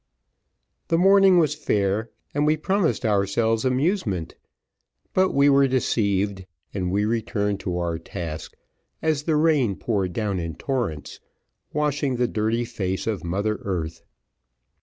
The morning was fair, and we promised ourselves amusement, but we were deceived, and we returned to our task, as the rain poured down in torrents, washing the dirty face of mother earth.